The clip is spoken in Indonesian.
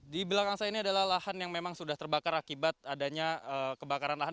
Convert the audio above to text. di belakang saya ini adalah lahan yang memang sudah terbakar akibat adanya kebakaran lahan